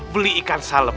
beli ikan salem